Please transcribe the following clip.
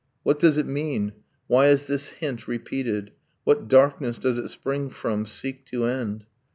... What does it mean? Why is this hint repeated? What darkness does it spring from, seek to end?